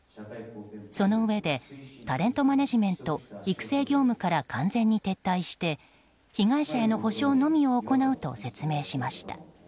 そのうえでタレントマネジメント育成業務から完全に撤退して被害者への補償のみを行うと説明しました。